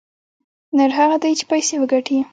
نر هغه دى چې پيسې وگټي.